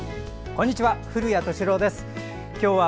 こんにちは。